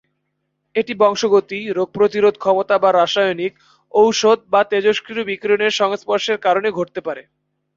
এটি বংশগতি, রোগ প্রতিরোধ ক্ষমতা বা রাসায়নিক, ঔষধ বা তেজস্ক্রিয় বিকিরণের সংস্পর্শের কারণে ঘটতে পারে।